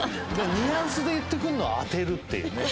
ニュアンスで言ってくるのを当てるっていうね。